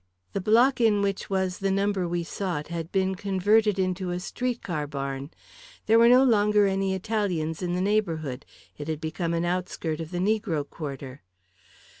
The block in which was the number we sought had been converted into a street car barn. There were no longer any Italians in the neighbourhood it had become an outskirt of the negro quarter.